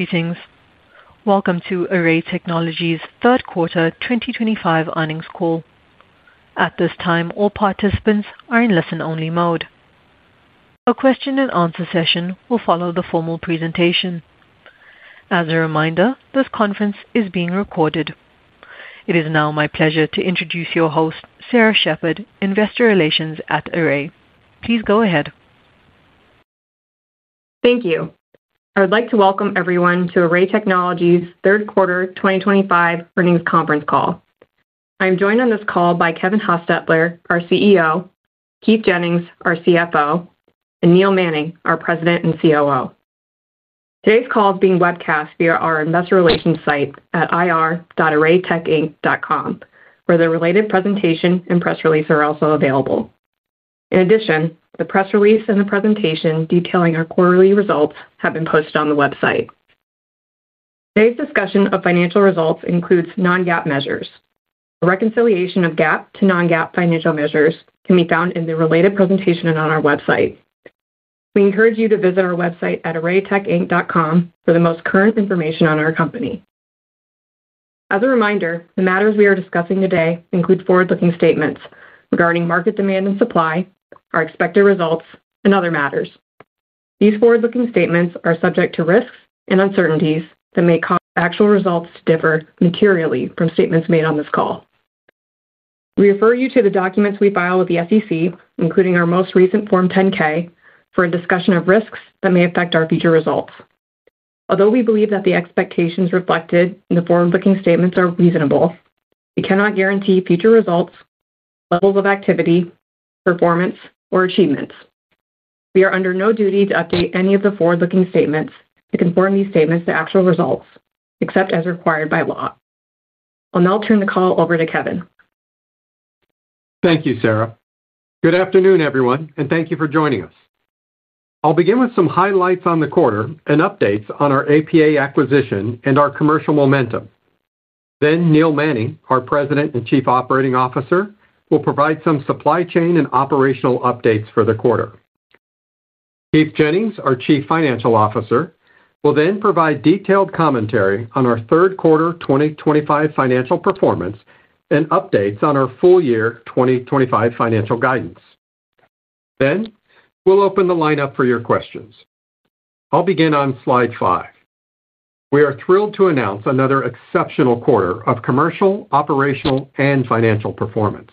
Greetings. Welcome to Array Technologies third quarter 2025 earnings call. At this time, all participants are in listen only mode. A question-and-answer session will follow the formal presentation. As a reminder, this conference is being recorded. It is now my pleasure to introduce your host, Sarah Sheppard, Investor Relations at Array. Please go ahead. Thank you. I would like to welcome everyone to Array Technologies third quarter 2025 earnings conference call. I am joined on this call by Kevin Hostetler, our CEO, Keith Jennings, our CFO, and Neil Manning, our President and COO. Today's call is being webcast via our investor relations site at ir.arraytechinc.com where the related presentation and press release are also available. In addition, the press release and the presentation detailing our quarterly results have been posted on the website. Today's discussion of financial results includes non-GAAP measures. A reconciliation of GAAP to non-GAAP financial measures can be found in the related presentation on our website. We encourage you to visit our website at ArrayTechInc.com for the most current information on our company. As a reminder, the matters we are discussing today include forward-looking statements regarding market demand and supply, our expected results and other matters. These forward looking statements are subject to risks and uncertainties that may cause actual results to differ materially from statements made on this call. We refer you to the documents we file with the SEC, including our most recent Form 10-K, for a discussion of risks that may affect our future results. Although we believe that the expectations reflected in the forward looking statements are reasonable, we cannot guarantee future results, levels of activity, performance or achievements. We are under no duty to update any of the forward looking statements to conform these statements to actual results except as required by law. I'll now turn the call over to Kevin. Thank you, Sarah. Good afternoon everyone and thank you for joining us. I'll begin with some highlights on the quarter and updates on our APA acquisition and our commercial momentum. Neil Manning, our President and Chief Operating Officer, will provide some supply chain and operational updates for the quarter. Keith Jennings, our Chief Financial Officer, will then provide detailed commentary on our third quarter 2025 financial performance and updates on our full year 2025 financial guidance. We will open the lineup for your questions. I'll begin on slide 5. We are thrilled to announce another exceptional quarter of commercial, operational and financial performance.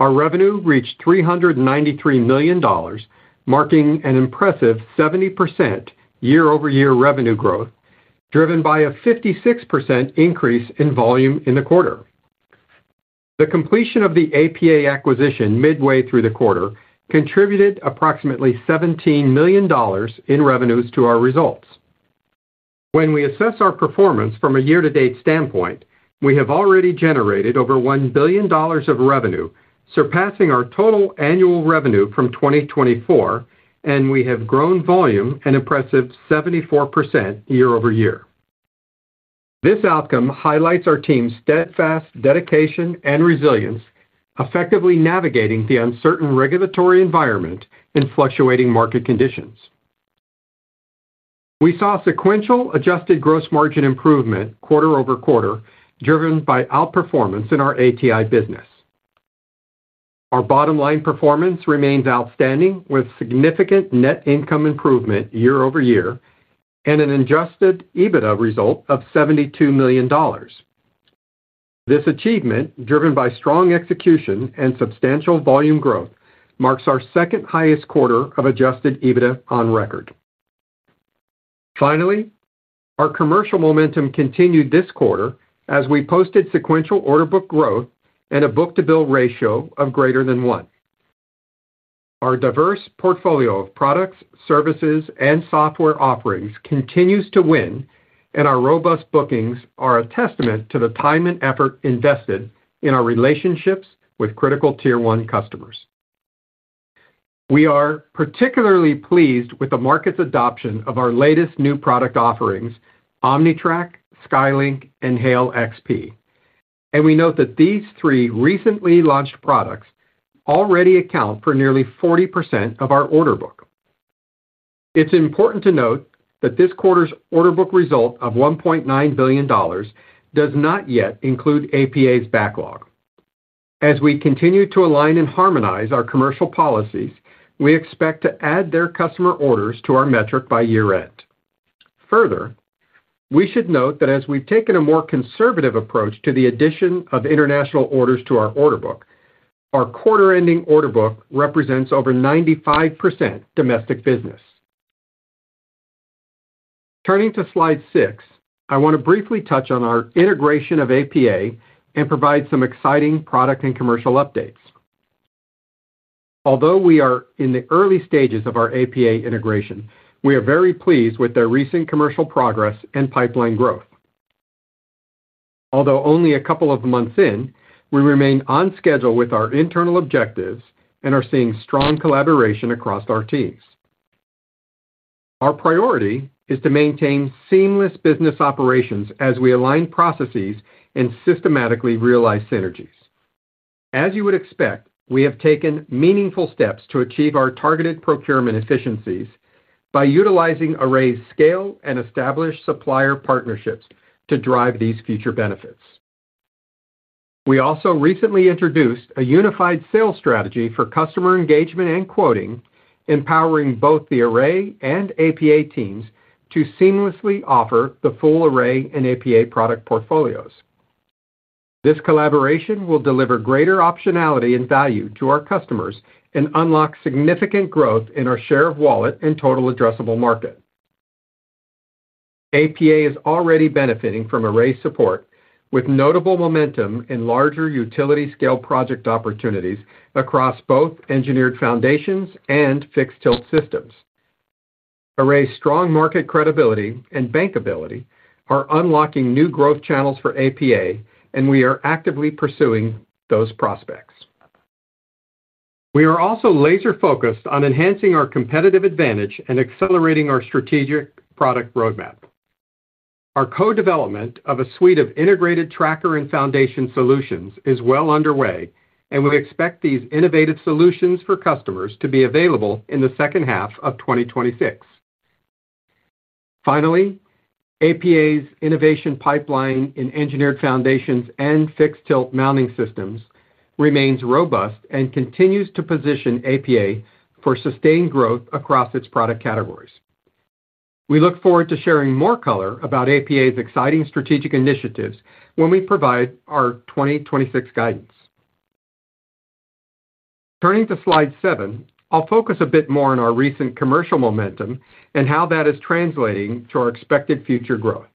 Our revenue reached $393 million, marking an impressive 70% year-over-year revenue growth driven by a 56% increase in volume in the quarter. The completion of the APA acquisition midway through the quarter contributed approximately $17 million in revenues to our results. When we assess our performance from a year to date standpoint, we have already generated over $1 billion of revenue, surpassing our total annual revenue from 2024, and we have grown volume an impressive 74% year-over-year. This outcome highlights our team's steadfast dedication and resilience, effectively navigating the uncertain regulatory environment and fluctuating market conditions. We saw sequential adjusted gross margin improvement quarter-over-quarter driven by outperformance in our ATI business. Our bottom line performance remains outstanding with significant net income improvement year-over-year and an adjusted EBITDA result of $72 million. This achievement, driven by strong execution and substantial volume growth, marks our second highest quarter of adjusted EBITDA on record. Finally, our commercial momentum continued this quarter as we posted sequential order book growth and a book to bill ratio of greater than 1. Our diverse portfolio of products, services and software offerings continues to win and our robust bookings are a testament to the time and effort invested in our relationships with critical Tier one customers. We are particularly pleased with the market's adoption of our latest new product offerings, OmniTrack, SkyLink and Hale XP, and we note that these three recently launched products already account for nearly 40% of our order book. It's important to note that this quarter's order book result of $1.9 billion does not yet include APA's backlog. As we continue to align and harmonize our commercial policies, we expect to add their customer orders to our metric by year end. Further, we should note that as we've taken a more conservative approach to the addition of international orders to our order book, our quarter ending order book represents over 95% domestic business. Turning to slide 6, I want to briefly touch on our integration of APA and provide some exciting product and commercial updates. Although we are in the early stages of our APA integration, we are very pleased with their recent commercial progress and pipeline growth. Although only a couple of months in, we remain on schedule with our internal objectives and are seeing strong collaboration across our teams. Our priority is to maintain seamless business operations as we align processes and systematically realize synergies. As you would expect, we have taken meaningful steps to achieve our targeted procurement efficiencies by utilizing Array's scale and established supplier partnerships to drive these future benefits. We also recently introduced a unified sales strategy for customer engagement and quoting, empowering both the Array and APA teams to seamlessly offer the full Array and APA product portfolios. This collaboration will deliver greater optionality and value to our customers and unlock significant growth in our share of wallet and total addressable market. APA is already benefiting from Array support with notable momentum in larger utility scale project opportunities across both engineered foundations and fixed tilt systems. Array's strong market credibility and bankability are unlocking new growth channels for APA and we are actively pursuing those prospects. We are also laser focused on enhancing our competitive advantage and accelerating our strategic product roadmap. Our co-development of a suite of integrated tracker and foundation solutions is well underway and we expect these innovative solutions for customers to be available in the second half of 2026. Finally, APA's innovation pipeline in engineered foundations and fixed tilt mounting systems remains robust and continues to position APA for sustained growth across its product categories. We look forward to sharing more color about APA's exciting strategic initiatives when we provide our 2026 guidance. Turning to Slide 7, I'll focus a bit more on our recent commercial momentum and how that is translating to our expected future growth.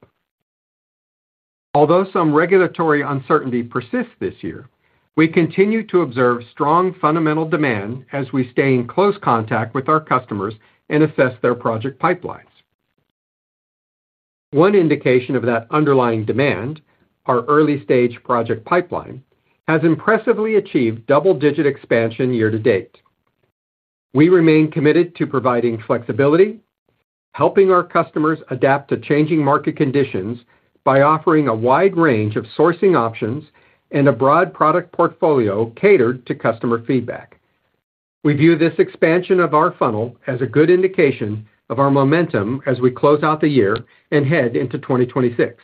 Although some regulatory uncertainty persists this year, we continue to observe strong fundamental demand as we stay in close contact with our customers and assess their project pipelines. One indication of that underlying demand, our early stage project pipeline has impressively achieved double digit expansion year to date. We remain committed to providing flexibility, helping our customers adapt to changing market conditions by offering a wide range of sourcing options and a broad product portfolio catered to customer feedback. We view this expansion of our funnel as a good indication of our momentum as we close out the year and head into 2026.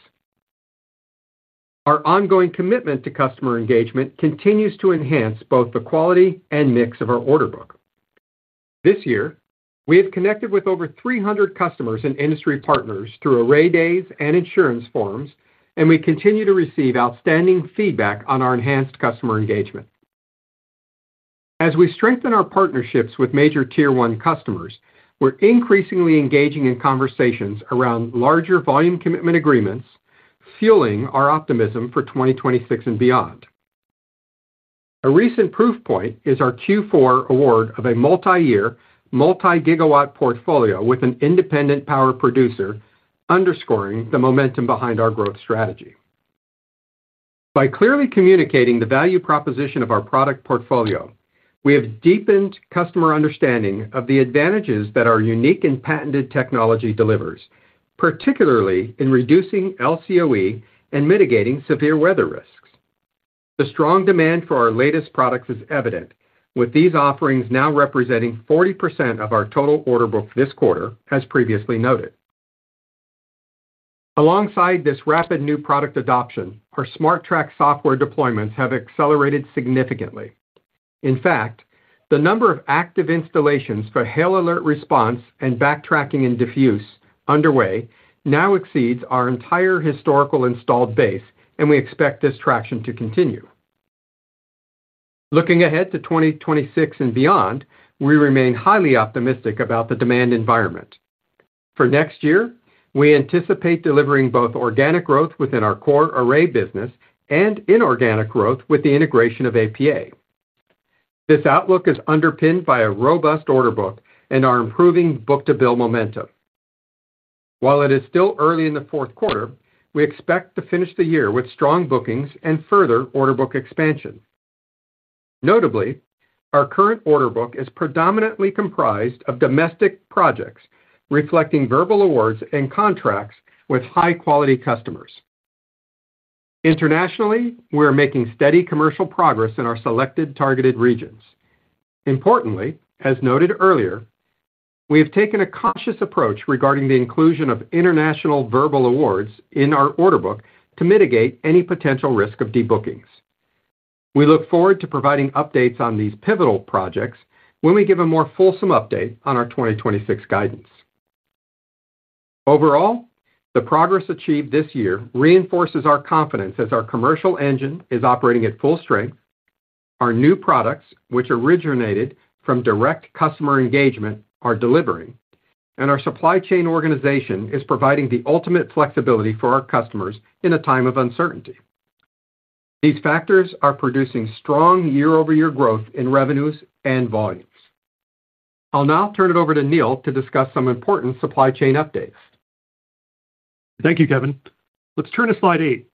Our ongoing commitment to customer engagement continues to enhance both the quality and mix. Of our order book. This year we have connected with over 300 customers and industry partners through Array Days and insurance forms and we continue to receive outstanding feedback on our enhanced customer engagement. As we strengthen our partnerships with major Tier one customers, we're increasingly engaging in conversations around larger volume commitment agreements, fueling our optimism for 2026 and beyond. A recent proof point is our Q4 award of a multi-year multi-gigawatt portfolio with an independent power producer, underscoring the momentum behind our growth strategy. By clearly communicating the value proposition of our product portfolio, we have deepened customer understanding of the advantages that our unique and patented technology delivers, particularly in reducing LCOE and mitigating severe weather risks. The strong demand for our latest products is evident with these offerings now representing 40% of our total order book this quarter. As previously noted, alongside this rapid new product adoption, our Smart Track software deployments have accelerated significantly. In fact, the number of active installations for hail alert response and backtracking in diffuse underway now exceeds our entire historical installed base, and we expect this traction to continue. Looking ahead to 2026 and beyond, we remain highly optimistic about the demand environment for next year. We anticipate delivering both organic growth within our core Array business and inorganic growth with the integration of APA. This outlook is underpinned by a robust order book and our improving book to bill momentum. While it is still early in the fourth quarter, we expect to finish the year with strong bookings and further order book expansion. Notably, our current order book is predominantly comprised of domestic projects, reflecting verbal awards and contracts with high quality customers internationally. We are making steady commercial progress in our selected targeted regions. Importantly, as noted earlier, we have taken a cautious approach regarding the inclusion of international verbal awards in our order book to mitigate any potential risk of debookings. We look forward to providing updates on these pivotal projects when we give a more fulsome update on our 2026 guidance. Overall, the progress achieved this year reinforces our confidence as our commercial engine is operating at full strength, our new products, which originated from direct customer engagement, are delivering, and our supply chain organization is providing the ultimate flexibility for our customers. In a time of uncertainty, these factors are producing strong year-over-year growth in revenues and volumes. I'll now turn it over to Neil to discuss some important supply chain updates. Thank you, Kevin. Let's turn to slide 8.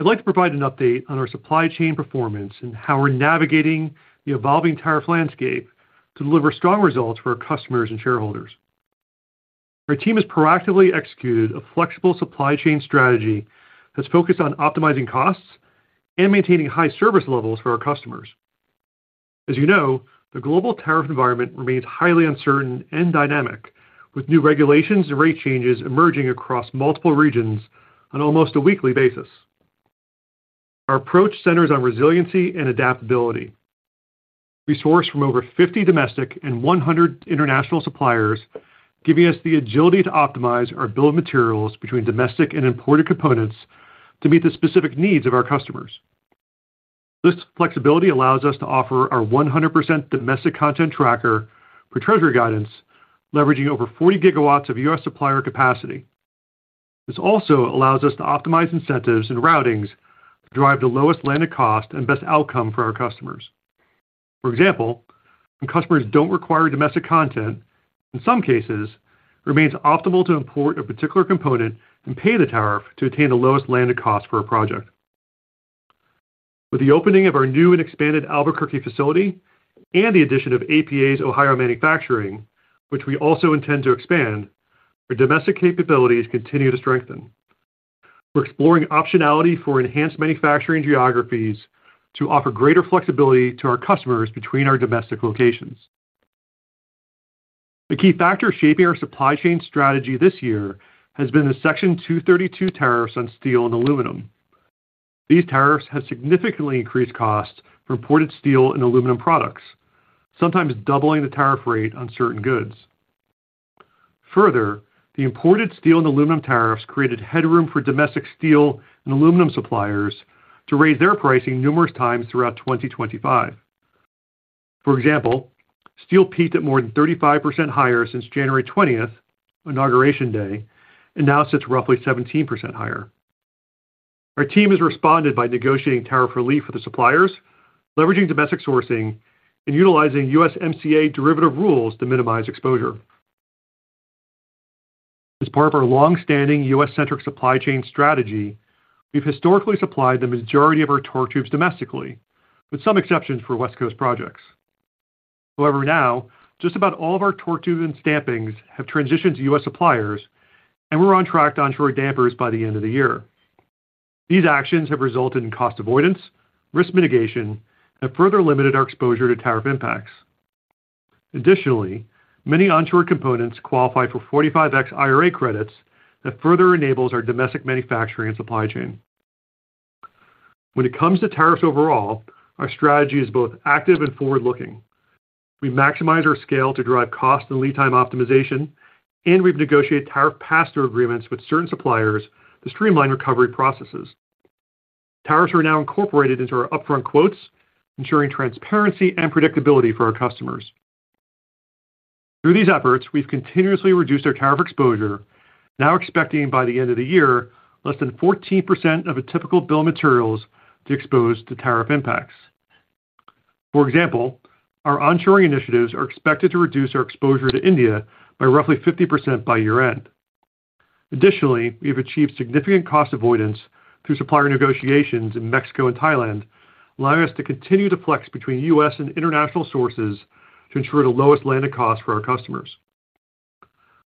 I'd like to provide an update on our supply chain performance and how we're navigating the evolving tariff landscape to deliver strong results for our customers and shareholders. Our team has proactively executed a flexible supply chain strategy that's focused on optimizing costs and maintaining high service levels for our customers. As you know, the global tariff environment remains highly uncertain and dynamic, with new regulations and rate changes emerging across multiple regions on almost a weekly basis. Our approach centers on resiliency and adaptability. We source from over 50 domestic and 100 international suppliers, giving us the agility to optimize our bill of materials between domestic and imported components to meet the specific needs of our customers. This flexibility allows us to offer our 100% domestic content tracker per Treasury guidance, leveraging over 40 GW of U.S. supplier capacity. This also allows us to optimize incentives and routings to drive the lowest landed cost and best outcome for our customers. For example, when customers do not require domestic content, in some cases it remains optimal to import a particular component and pay the tariff to attain the lowest landed. Cost for a project. With the opening of our new and expanded Albuquerque facility and the addition of APA's Ohio manufacturing, which we also intend to expand, our domestic capabilities continue to strengthen. We're exploring optionality for enhanced manufacturing geographies to offer greater flexibility to our customers between our domestic locations. A key factor shaping our supply chain strategy this year has been the Section 232 tariffs on steel and aluminum. These tariffs have significantly increased costs for imported steel and aluminum products, sometimes doubling the tariff rate on certain goods. Further, the imported steel and aluminum tariffs created headroom for domestic steel and aluminum suppliers to raise their pricing numerous times throughout 2025. For example, steel peaked at more than 35% higher since January 20th Inauguration Day and now sits roughly 17% higher. Our team has responded by negotiating tariff relief for the suppliers, leveraging domestic sourcing and utilizing USMCA derivative rules to minimize exposure. As part of our long-standing U.S.-centric supply chain strategy, we've historically supplied the majority of our torque tubes domestically, with some exceptions for West Coast projects. However, now just about all of our torque tubes and stampings have transitioned to U.S. suppliers and we're on track to onshore dampers by the end of the year. These actions have resulted in cost avoidance, risk mitigation, and further limited our exposure to tariff impacts. Additionally, many onshore components qualify for 45X IRA credits. That further enables our domestic manufacturing and supply chain when it comes to tariffs overall, our strategy is both active and forward looking. We maximize our scale to drive cost and lead time optimization and we've negotiated tariff pass through agreements with certain suppliers to streamline recovery processes. Tariffs are now incorporated into our upfront quotes, ensuring transparency and predictability for our customers. Through these efforts, we've continuously reduced our tariff exposure, now expecting by the end of the year less than 14% of a typical bill of materials to expose to tariff impacts. For example, our onshoring initiatives are expected to reduce our exposure to India by roughly 50% by year end. Additionally, we have achieved significant cost avoidance through supplier negotiations in Mexico and Thailand, allowing us to continue to flex between U.S. and international sources to ensure the lowest land of costs for our customers.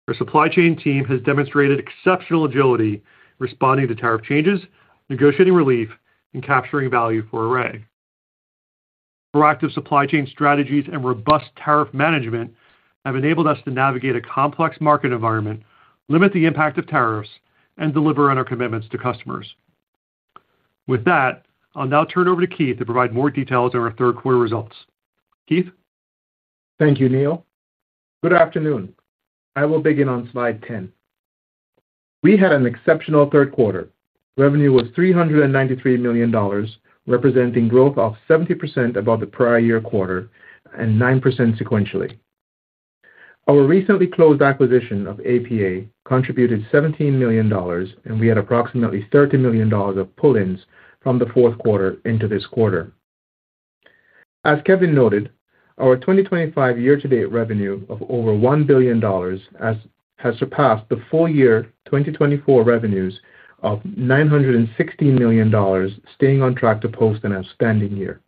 Our supply chain team has demonstrated exceptional agility responding to tariff changes, negotiating relief and capturing value for Array. Proactive supply chain strategies and robust tariff management have enabled us to navigate a complex market environment, limit the impact of tariffs and deliver on our commitments to customers. With that, I'll now turn over to Keith to provide more details on our third quarter results. Keith, thank you. Neil, good afternoon. I will begin on slide 10. We had an exceptional third quarter. Revenue was $393 million, representing growth of 70% above the prior year quarter and 9% sequentially. Our recently closed acquisition of APA contributed $17 million, and we had approximately $30 million of pull-ins from the fourth quarter into this quarter. As Kevin noted, our 2025 year to date revenue of over $1 billion has surpassed the full year 2024 revenues of $916 million. Staying on track to post an outstanding year,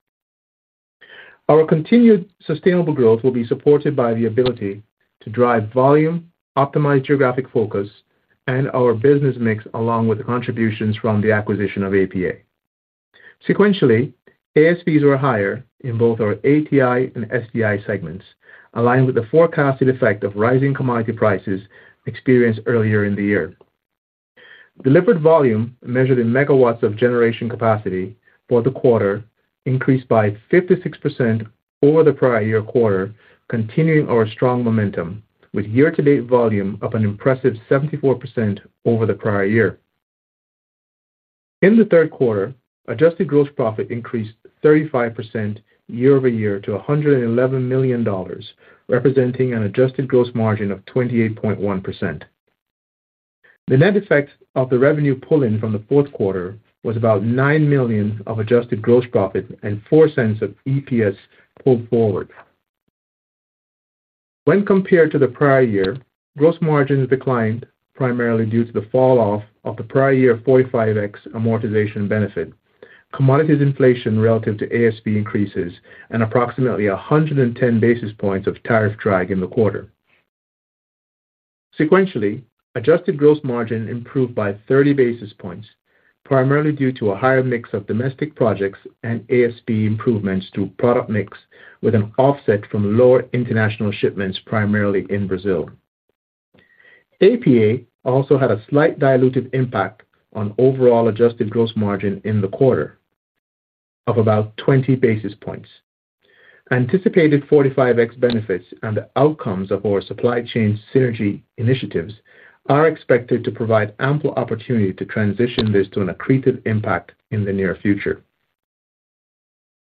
our continued sustainable growth will be supported by the ability to drive volume, optimize geographic focus, and our business mix along with the contributions from the acquisition of APA. Sequentially, ASVs were higher in both our ATI and SDI segments, aligned with the forecasted effect of rising commodity prices experienced earlier in the year. Delivered volume measured in megawatts of generation capacity for the quarter increased by 56% over the prior year quarter, continuing our strong momentum with year to date volume up an impressive 74% over the prior year. In the third quarter, adjusted gross profit increased 35% year-over-year to $111 million, representing an adjusted gross margin of 28.1%. The net effect of the revenue pull in from the fourth quarter was about $9 million of adjusted gross profit and $0.04 of EPS pulled forward. When compared to the prior year. Gross margins declined primarily due to the fall off of the prior year 45X amortization benefit, commodities inflation relative to ASV increases and approximately 110 basis points of tariff drag in the quarter. Sequentially, adjusted gross margin improved by 30 basis points primarily due to a higher mix of domestic projects and ASV improvements through product mix with an offset from lower international shipments primarily in Brazil. APA also had a slight dilutive impact on overall adjusted gross margin in the quarter of about 20 basis points. Anticipated 45X benefits and the outcomes of our supply chain synergy initiatives are expected to provide ample opportunity to transition this to an accretive impact in the near future.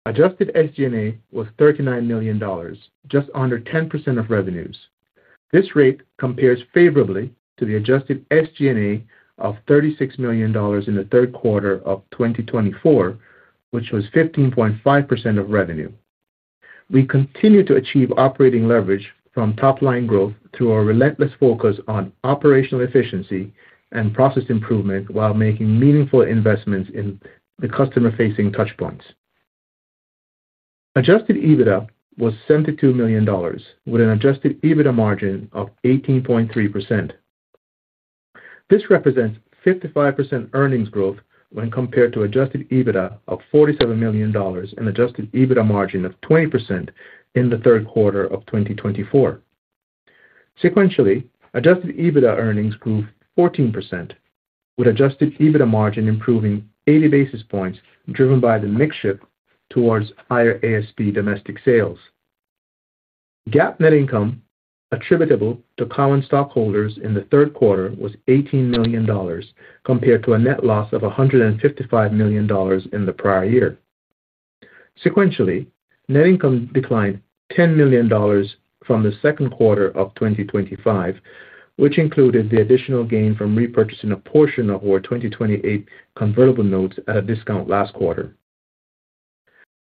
Adjusted SGA was $39 million, just under 10% of revenues. This rate compares favorably to the adjusted SGA of $36 million in the third quarter of 2024, which was 15.5% of revenue. We continue to achieve operating leverage from top line growth through our relentless focus on operational efficiency and process improvement while making meaningful investments in the customer facing touchpoints. Adjusted EBITDA was $72 million with an adjusted EBITDA margin of 18.3%. This represents 55% earnings growth when compared to adjusted EBITDA of $47 million and adjusted EBITDA margin of 20%. In the third quarter of 2024, sequentially adjusted EBITDA earnings grew 14%, with adjusted EBITDA margin improving 80 basis points, driven by the mix shift towards higher ASP domestic sales. GAAP net income attributable to common stockholders in the third quarter was $18 million compared to a net loss of $155 million in the prior year. Sequentially, net income declined $10 million from the second quarter of 2025, which included the additional gain from repurchasing a portion of our 2028 convertible notes at a discount. Last quarter.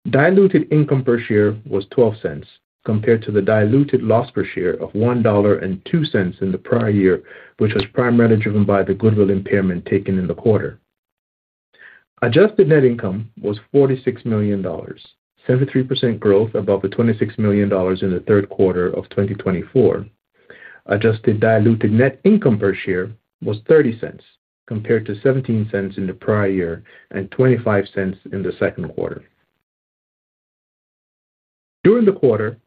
Diluted income per share was $0.12 compared to the diluted loss per share of $1.02 in the prior year, which was primarily driven by the goodwill impairment taken in the quarter. Adjusted net income was $46 million, 73% growth above the $26 million in the third quarter of 2024. Adjusted diluted net income per share was $0.30 compared to $0.17 in the prior year and $0.25 in the second quarter. During the quarter,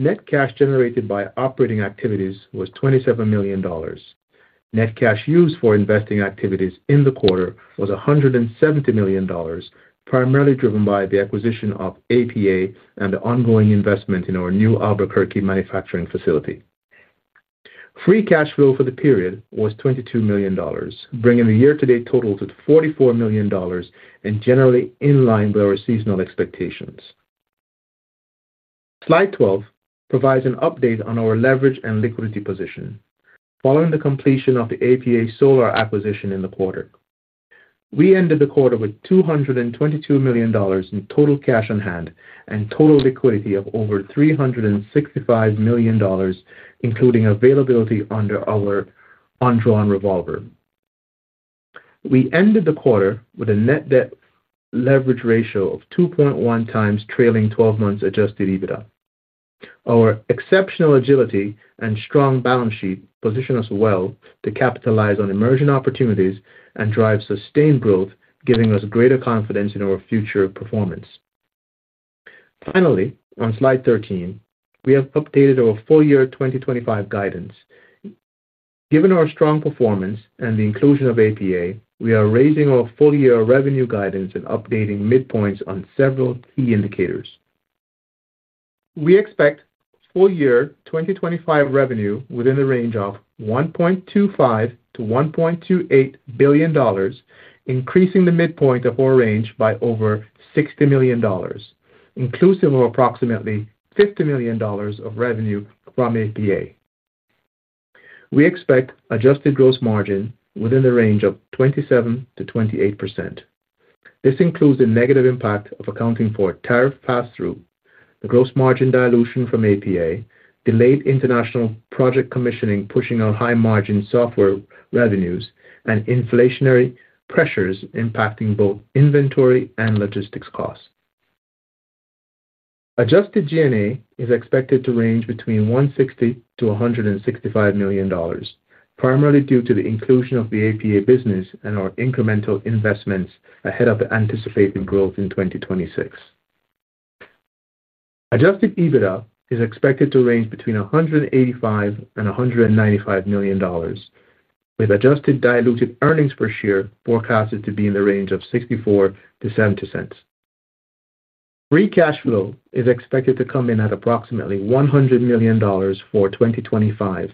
net cash generated by operating activities was $27 million. Net cash used for investing activities in the quarter was $170 million, primarily driven by the acquisition of APA and the ongoing investment in our new Albuquerque manufacturing facility. Free cash flow for the period was $22 million, bringing the year to date total to $44 million and generally in line with our seasonal expectations. Slide 12 provides an update on our leverage and liquidity position following the completion of the APA Solar acquisition in the quarter. We ended the quarter with $222 million in total cash on hand and total liquidity of over $365 million, including availability under our undrawn revolver. We ended the quarter with a net debt leverage ratio of 2.1x trailing twelve months adjusted EBITDA. Our exceptional agility and strong balance sheet position us well to capitalize on emerging opportunities and drive sustained growth, giving us greater confidence in our future performance. Finally, on Slide 13, we have updated our full year 2025 guidance. Given our strong performance and the inclusion of APA, we are raising our full year revenue guidance and updating midpoints on several key indicators. We expect full year 2025 revenue within the range of $1.25 billion-$1.28 billion, increasing the midpoint of our range by over $60 million inclusive of approximately $50 million of revenue from APA. We expect adjusted gross margin within the range of 27%-28%. This includes the negative impact of accounting for tariff pass through, the gross margin dilution from APA, delayed international project commissioning pushing out high margin software revenues, and inflationary pressures impacting both inventory and logistics costs. Adjusted G&A is expected to range between $160 million-$165 million, primarily due to the inclusion of the APA business and our incremental investments ahead of the anticipated growth in 2026. Adjusted EBITDA is expected to range between $185 million-$195 million with adjusted diluted earnings per share forecasted to be in the range of $0.64-$0.70. Free cash flow is expected to come in at approximately $100 million for 2025,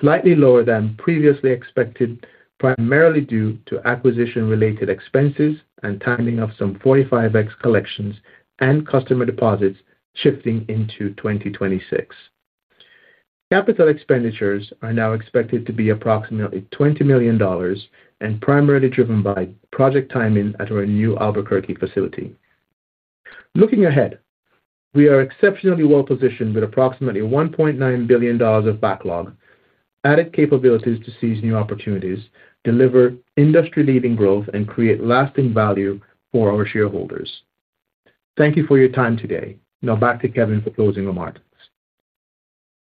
slightly lower than previously expected, primarily due to acquisition related expenses and timing of some 45X collections and customer deposits shifting into 2026. Capital expenditures are now expected to be approximately $20 million and primarily driven by project timing at our new Albuquerque facility. Looking ahead, we are exceptionally well positioned with approximately $1.9 billion of backlog, added capabilities to seize new opportunities, deliver industry leading growth and create lasting value for our shareholders. Thank you for your time today. Now back to Kevin for closing remarks.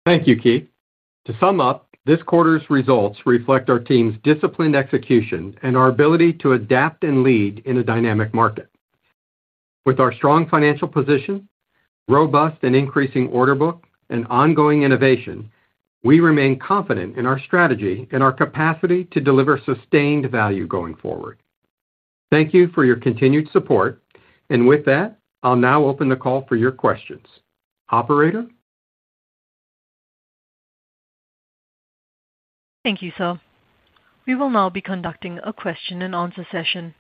Thank you, Keith. To sum up, this quarter's results reflect our team's disciplined execution and our ability to adapt and lead in a dynamic market. With our strong financial position, robust and increasing order book, and ongoing innovation, we remain confident in our strategy and our capacity to deliver sustained value going forward. Thank you for your continued support, and with that, I'll now open the call for your questions. Operator. Thank you, sir. We will now be conducting a question-and-answer session.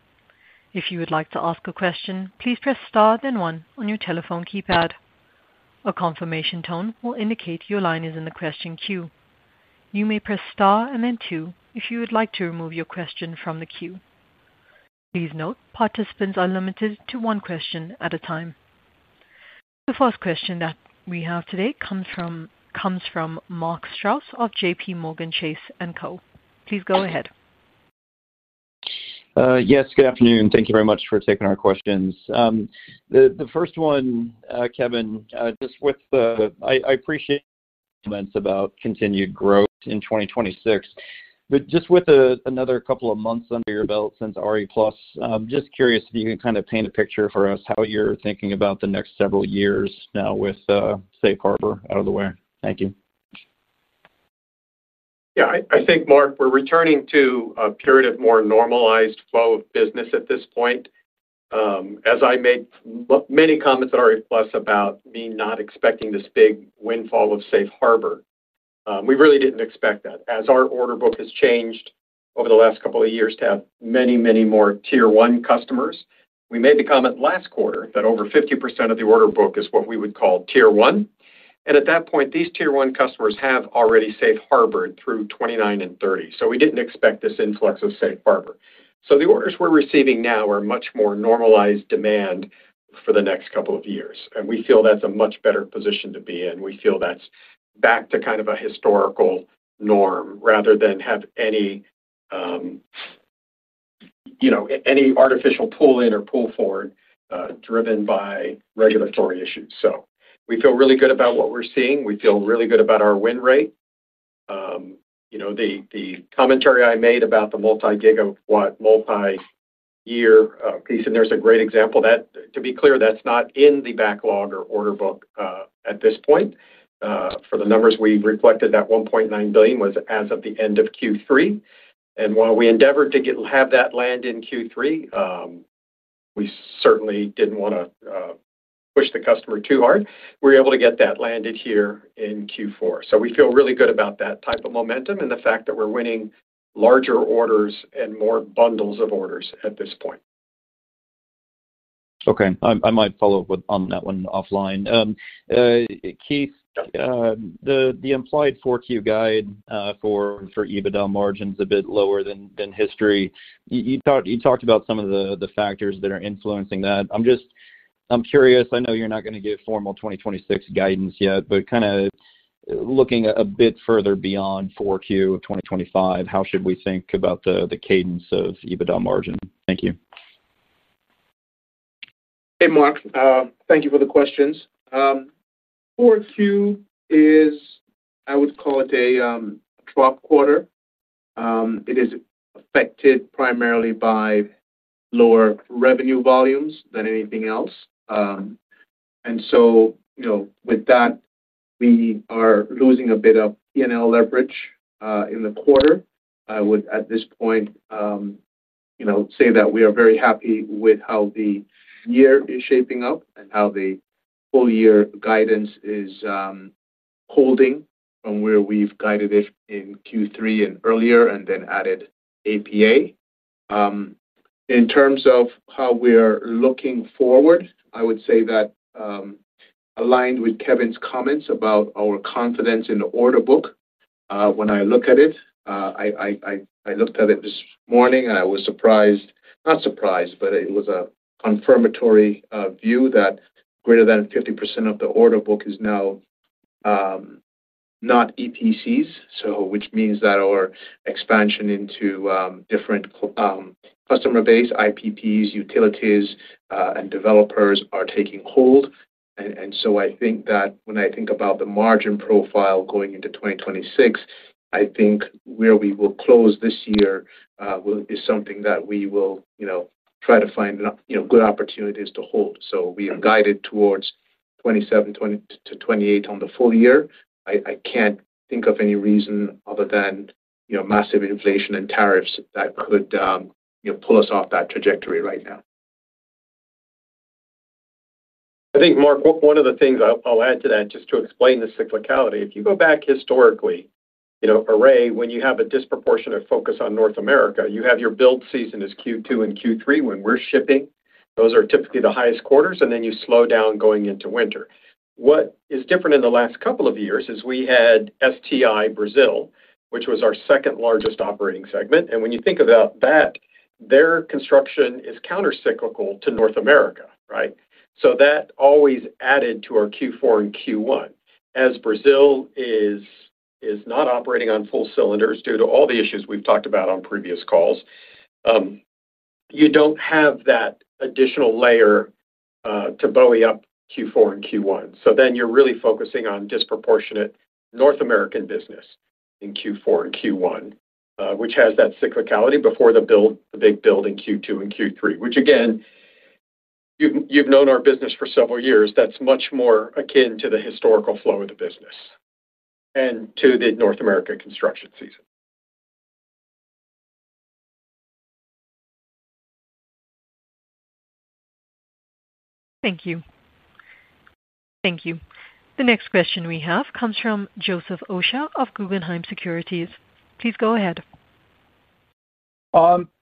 If you would like to ask a question, please press star then one on your telephone keypad. A confirmation tone will indicate your line is in the question queue. You may press star and then two if you would like to remove your question from the queue. Please note participants are limited to one question at a time. The first question that we have today comes from Mark Strouse of JPMorgan Chase & Co. Please go ahead. Yes, good afternoon. Thank you very much for taking our questions. The first one, Kevin, just with I appreciate comments about continued growth in 2026, but just with another couple of months under your belt since RE+. Just curious if you can kind of paint a picture for us how you're thinking about the next several years now with Safe Harbor out of the way. Thank you. Yeah, I think Mark, we're returning to a period of more normalized flow of business at this point as I made many comments at Refs about me not expecting this big windfall of Safe Harbor. We really didn't expect that as our order book has changed over the last couple of years to have many, many more Tier 1 customers. We made the comment last quarter that over 50% of the order book is what we would call Tier 1. At that point these Tier 1 customers have already safe harbored through 2029 and 2030. We didn't expect this influx of Safe Harbor. The orders we're receiving now are much more normalized demand for the next couple of years. We feel that's a much better position to be in. We feel that's back to kind of a historical norm rather than have any, you know, any artificial pull in or pull forward driven by regulatory issues. We feel really good about what we're seeing. We feel really good about our win rate. You know, the commentary I made about the multi gigawatt, multi year piece and there's a great example that, to be clear, that's not in the backlog or order book at this point. For the numbers, we reflected that $1.9 billion was as of the end of Q3. While we endeavored to have that land in Q3, we certainly did not want to push the customer too hard. We were able to get that landed here in Q4. We feel really good about that type of momentum and the fact that we're winning larger orders and more bundles of orders at this point. Okay, I might follow up on that one offline. Keith, the implied 4Q guide for EBITDA margins a bit lower than history. You talked about some of the factors that are influencing that. I'm just, I'm curious. I know you're not going to give formal 2026 guidance yet, but kind of looking a bit further beyond 4Q of 2025, how should we think about the cadence of EBITDA margin? Thank you. Hey, Mark, thank you for the questions. 4Q is, I would call it a drop quarter. It is affected primarily by lower revenue volumes than anything else. And so, you know, with that, we. Are losing a bit of P&L leverage in the quarter. I would at this point, you know, say that we are very happy with how the year is shaping up and how the full year guidance is holding from where we've guided it in Q3 and earlier and then added APA. In terms of how we are looking forward, I would say that aligned with Kevin's comments about our confidence in the order book. When I look at it, I looked at it this morning and I was surprised. Not surprised, but it was a confirmatory view that greater than 50% of the order book is now not EPCs. Which means that our expansion into different customer base, IPPs, utilities and developers are taking hold. I think that when I think about the margin profile going into 2026, I think where we will close this year is something that we will, you know, try to find, you know, good opportunities to hold. We have guided towards 27%-28% on the full year. I cannot think of any reason other than massive inflation and tariffs that could pull us off that trajectory right now. I think, Mark, one of the things I'll add to that, just to explain the cyclicality, if you go back historically, Array, when you have a disproportionate focus on North America, you have your build season as Q2 and Q3. When we're shipping, those are typically the highest quarters and then you slow down going into winter. What is different in the last couple of years is we had STI Brazil, which was our second largest operating segment. When you think about that, their construction is countercyclical to North America. Right. That always added to our Q4 and Q1 as Brazil is not operating on full cylinders due to all the issues we've talked about on previous calls. You don't have that additional layer to buoy up Q4 and Q1. Then you're really focusing on disproportionate North American business in Q4 and Q1, which has that cyclicality before the build, the big build in Q2 and Q3, which again, you've known our business for several years, that's much more akin to the historical flow of the business and to the North American construction season. Thank you. Thank you. The next question we have comes from Joseph Osha of Guggenheim Securities. Please go ahead.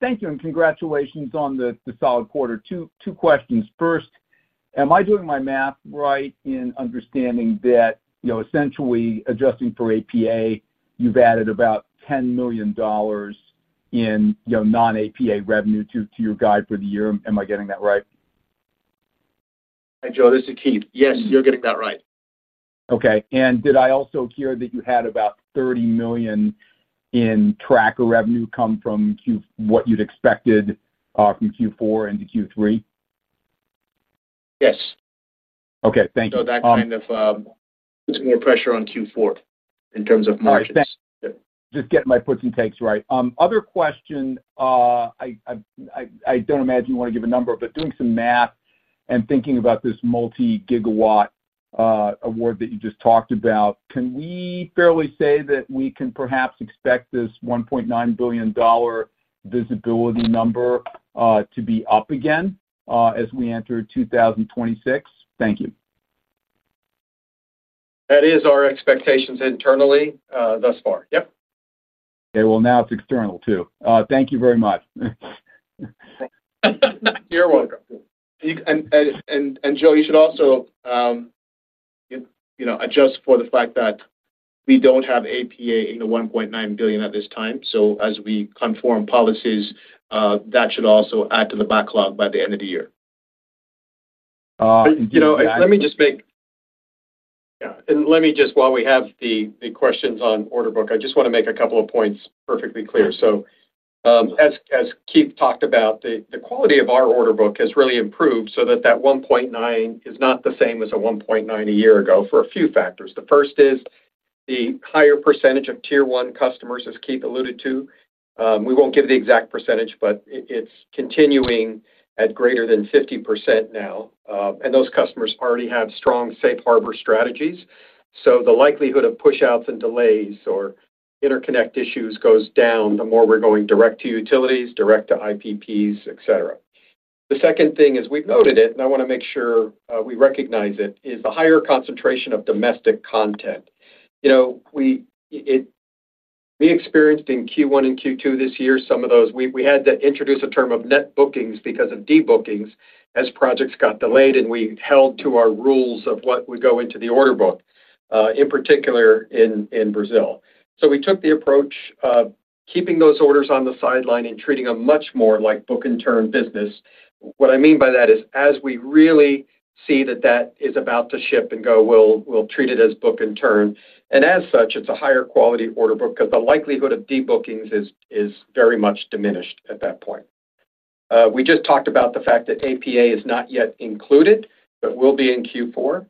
Thank you. Congratulations on the solid quarter. Two questions. First, am I doing my math right in understanding that, you know, essentially adjusting for APA, you've added about $10 million in your non-APA revenue to your guide for the year. Am I getting that right? Hi, Joe, this is Keith. Yes, you're getting that right. Okay. Did I also hear that you had about $30 million in tracker revenue come from what you'd expected from Q4 into Q3? Yes. Okay, thank you. That kind of puts more pressure on Q4 in terms of March. Just getting my puts and takes right. Other question. I don't imagine you want to give a number, but doing some math and. Thinking about this multi gigawatt award that. You just talked about, can we fairly say that we can perhaps expect this $1.9 billion visibility number to be up again as we enter 2026? Thank you. That is our expectations internally thus far. Yep. Okay. Now it's external, too. Thank you very much. You're welcome. Joe, you should also, you know, adjust for the fact that we do not have APA in the $1.9 billion at this time. As we conform policies, that should add to the backlog by the end of the year. You know, let me just make. Yeah, let me just. While we have the questions on order book, I just want to make a couple of points perfectly clear. As Keith talked about, the quality of our order book has really improved, so that $1.9 billion is not the same as a $1.9 billion a year ago for a few factors. The first is the higher percentage of tier one customers. As Keith alluded to, we will not give the exact percentage, but it is continuing at greater than 50% now. Those customers already have strong Safe Harbor strategies, so the likelihood of pushouts and delays or interconnect issues goes down the more we are going direct to utilities, direct to IPPs, et cetera. The second thing is we have noted it and I want to make sure we recognize it is the higher concentration of domestic content. You know, we experienced in Q1 and Q2 this year. Some of those we had to introduce a term of net bookings because of debookings as projects got delayed and we held to our rules of what would go into the order book, in particular in Brazil. We took the approach of keeping those orders on the sideline and treating them much more like book and turn business. What I mean by that is, as we really see that that is about to ship and go, we will treat it as book and turn. As such, it is a higher quality order book because the likelihood of debookings is very much diminished at that point. We just talked about the fact that APA is not yet included, but will be in Q4.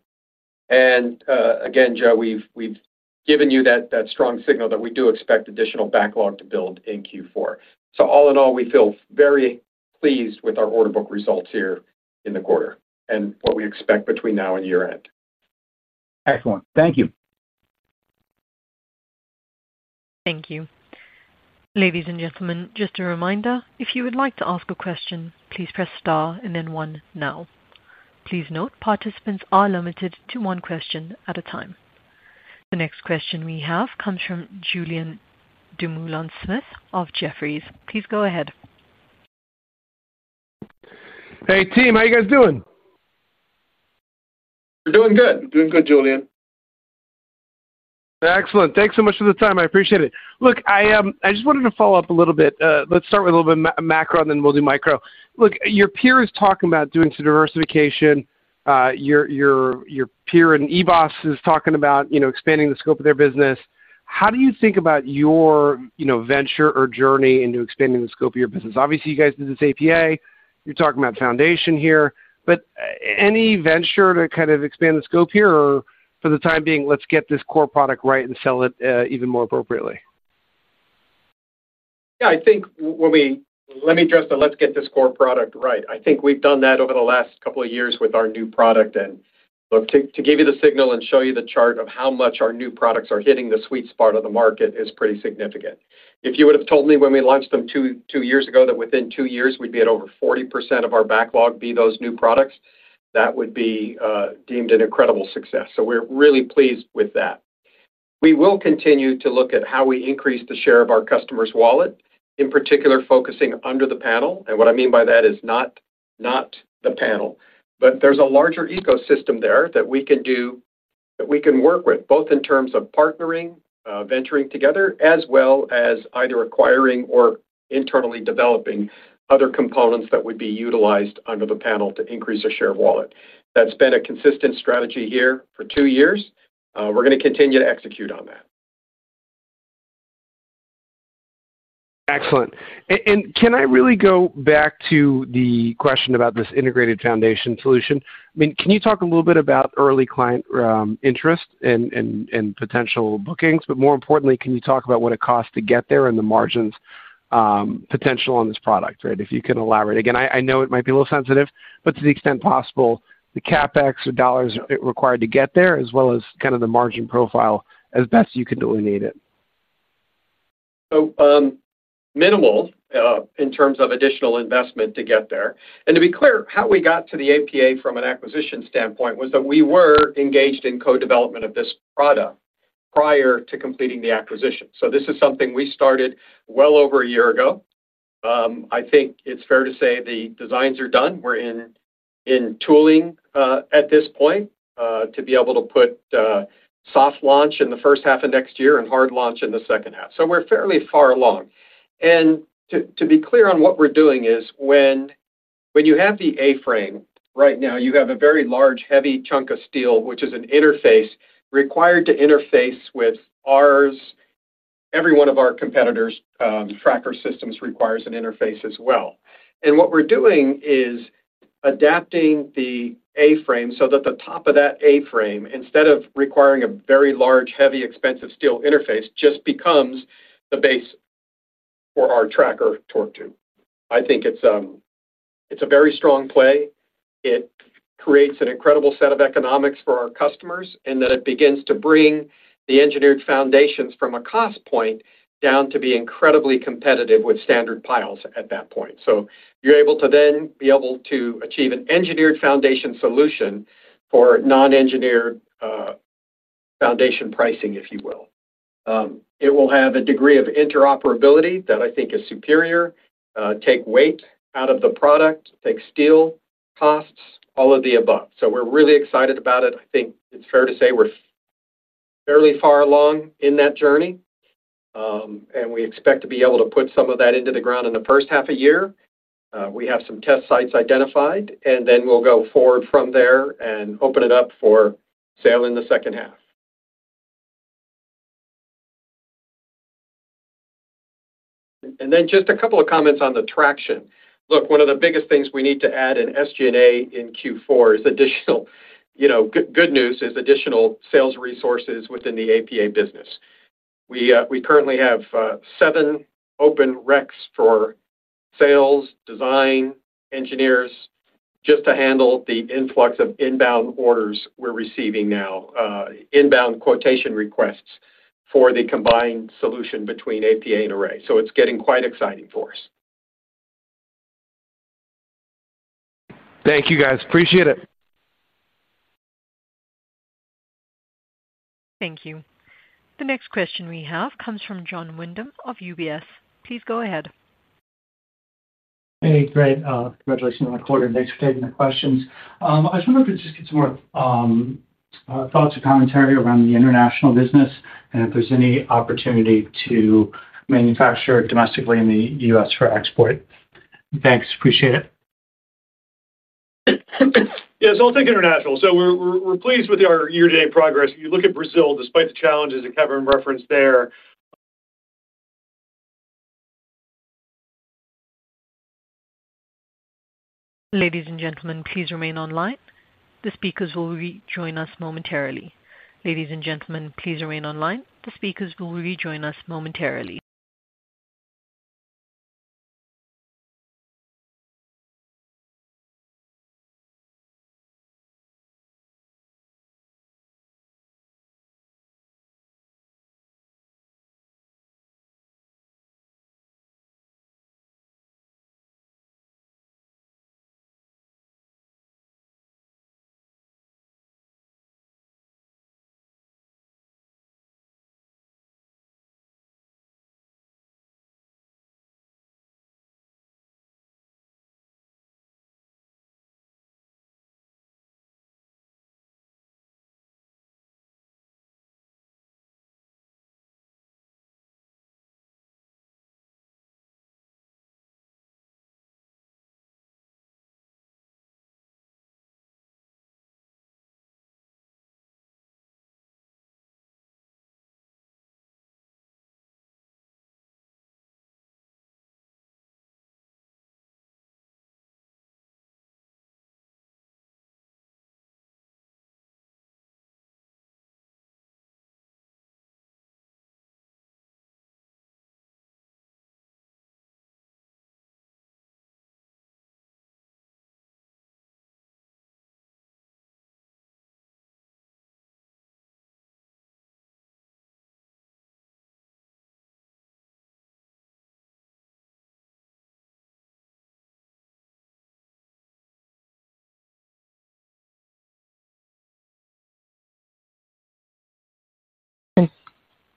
Joe, we've given you that strong signal that we do expect additional backlog to build in Q4. All in all, we feel very pleased with our order book results here in the quarter and what we expect between now and year end. Excellent. Thank you. Thank you, ladies and gentlemen. Just a reminder, if you would like to ask a question, please press star and then one. Now, please note, participants are limited to one question at a time. The next question we have comes from Julianne Dumoulin-Smith of Jefferies. Please go ahead. Hey team, how you guys doing? Good. Doing good. Julian. Excellent. Thanks so much for the time. I appreciate it. Look, I just wanted to follow up a little bit. Let's start with a little bit macro. We'll do micro. Look, your peer is talking about doing some diversification. Your peer in EBoS is talking about, you know, expanding the scope of their business. How do you think about your venture or journey into expanding the scope of your business? Obviously you guys did this APA, you're talking about foundation here, but any venture to kind of expand the scope here or for the time being, let's get this core product right and sell it even more appropriately. Yeah, I think let me address the let's get this core product right. I think we've done that over the last couple of years with our new product. And look to give you the signal and show you the chart of how much our new products are hitting the sweet spot of the market is pretty significant. If you would have told me when we launched them two years ago that within two years we'd be at over 40% of our backlog be those new products that would be deemed an incredible success. We are really pleased with that. We will continue to look at how we increase the share of our customers' wallet, in particular, focusing under the panel, and what I mean by that is not the panel, but there is a larger ecosystem there that we can do that. We can work with both in terms of partnering, venturing together, as well as either acquiring or internally developing other components that would be utilized under the panel to increase a share of wallet. That has been a consistent strategy here for two years. We are going to continue to execute on that. Excellent. Can I really go back to the question about this integrated foundation solution? Can you talk a little bit about early client interest and potential bookings, but more importantly, can you talk about what it costs to get there and the margins potential on this product? If you can elaborate again, I know. It might be a little sensitive, but. To the extent possible, the CapEx or dollars required to get there, as well as the margin profile as best you can delineate it, minimal in terms of additional investment to get there. To be clear, how we got to the APA from an acquisition standpoint was that we were engaged in co-development of this product prior to completing the acquisition. This is something we started well over a year ago. I think it is fair to say the designs are done. We are in tooling at this point to be able to put soft launch in the first half of next year and hard launch in the second half. We're fairly far along and to be clear on what we're doing is when you have the A frame right now you have a very large heavy chunk of steel which is an interface required to interface with ours. Every one of our competitors' tracker systems requires an interface as well. What we're doing is adapting the A frame so that the top of that A frame, instead of requiring a very large, heavy, expensive steel interface, just becomes the base for our tracker torque tube. I think it's a very strong play. It creates an incredible set of economics for our customers in that it begins to bring the engineered foundations from a cost point down to be incredibly competitive with standard piles at that point. You're able to then be able to achieve an engineered foundation solution for non-engineered foundation pricing, if you will. It will have a degree of interoperability that I think is superior. Take weight out of the product, take steel costs, all of the above. So we're really excited about it. I think it's fair to say we're fairly far along in that journey and we expect to be able to put some of that into the ground in the first half of the year. We have some test sites identified and then we'll go forward from there and open it up for sale in the second half. Just a couple of comments on the traction. Look, one of the biggest things we need to add in SGA in Q4 is additional, you know, good news is additional sales resources within the APA business. We currently have seven open RECs for sales design engineers just to handle the influx of inbound orders. We're receiving now inbound quotation requests for the combined solution between APA and Array. So it's getting quite exciting for us. Thank you guys, appreciate it. Thank you. The next question we have comes from John Windham of UBS. Please go ahead. Hey, great. Congratulations on the quarter and thanks for taking the questions. I just wanted to get some. More thoughts or commentary around the international business and if there's any opportunity to. Manufacture domestically in the U.S. for export. Thanks, appreciate it. Yes, I'll take international. We're pleased with our year to date progress. You look at Brazil, despite the challenges that Kevin referenced there. Ladies and gentlemen, please remain online. The speakers will rejoin us momentarily.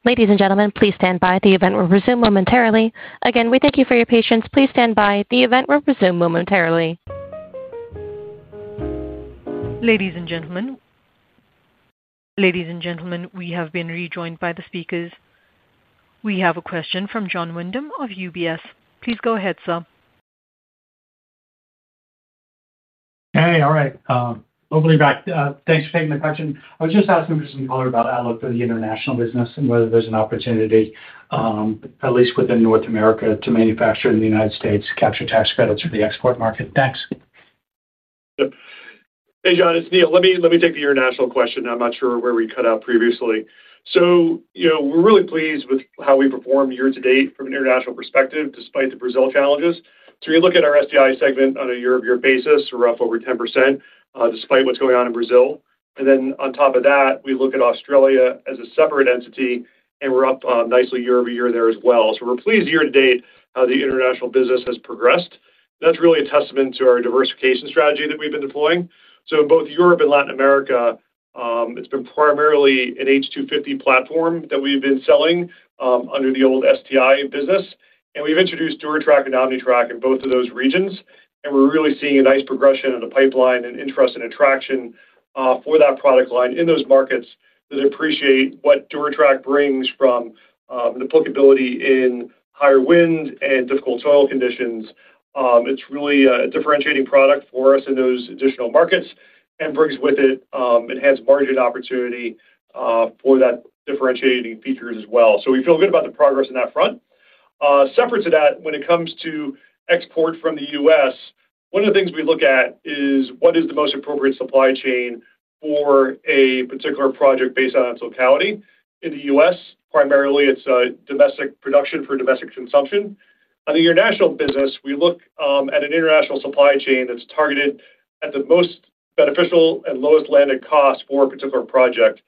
Ladies and gentlemen, please stand by. The event will resume momentarily. Again, we thank you for your patience. Please stand by. The event will resume momentarily. Ladies and gentlemen, we have been rejoined by the speakers. We have a question from John Windham of UBS. Please go ahead, sir. Hey. All right, openly back. Thanks for taking the question. I was just asking for some color about outlook for the international business and whether there's an opportunity, at least within North America to manufacture in the United States, capture tax credits for the export market. Thanks. Hey John, it's Neil. Let me take the international question. I'm not sure where we cut out previously. You know, we're really pleased with how we perform year to date from an international perspective despite the Brazil challenges. You look at our SDI segment on a year-over-year basis, rough over 10% despite what's going on in Brazil. On top of that we look at Australia as a separate entity and we're up nicely year-over-year there as well. We're pleased year to date how the international business has progressed. That's really a testament to our diversification strategy that we've been deploying. In both Europe and Latin America, it's been primarily an H250 platform that we've been selling under the old STI business. We've introduced DuraTrack and OmniTrack in both of those regions. We are really seeing a nice progression in the pipeline and interest and attraction for that product line in those markets that appreciate what DuraTrack brings from an applicability in higher wind and difficult soil conditions. It is really a differentiating product for us in those additional markets and brings with it enhanced margin opportunity for those differentiating features as well. We feel good about the progress on that front. Separate to that, when it comes to export from the U.S., one of the things we look at is what is the most appropriate supply chain for a particular project based on its locality. In the U.S., primarily it is domestic production for domestic consumption. On the international business, we look at an international supply chain that is targeted at the most beneficial and lowest landed cost for a particular project.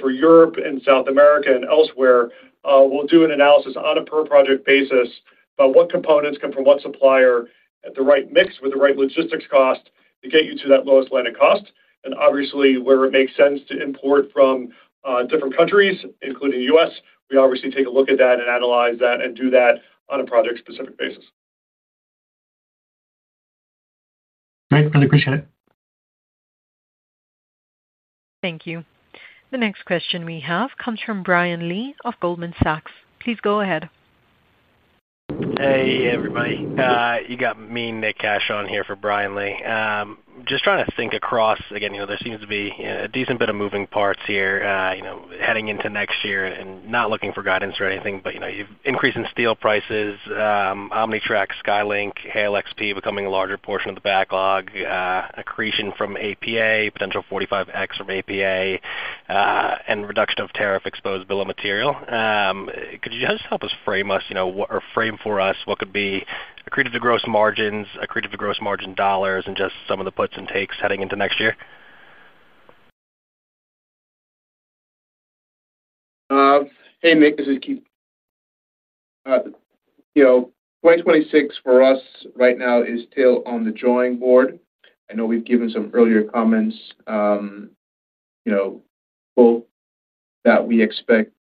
For Europe and South America and elsewhere, we will do an analysis on a per project basis about what components come from what supplier at the right mix with the right logistics cost to get you to that lowest line of cost. Obviously, where it makes sense to import from different countries, including U.S., we obviously take a look at that and analyze that and do that on a project specific basis. Great. Really appreciate it. Thank you. The next question we have comes from Brian Lee of Goldman Sachs. Please go ahead. Hey everybody, you got me. Nick Cash on here for Brian Lee. Just trying to think across again. There seems to be a decent bit of moving parts here heading into next year and not looking for guidance or anything but you've increase in steel prices, OmniTrack, SkyLink, Hale XP becoming a larger portion of the backlog. Accretion from APA, potential 45X from APA and reduction of tariff exposed bill of material. Could you just help us frame us or frame for us what could be accretive to gross margins, accretive to gross margin dollars and just some of the puts and takes heading into next year. Hey Nick, this is Keith. You know 2026 for us right now is still on the drawing board. I know we've given some earlier comments, you know, both that we expect